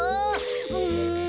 うん。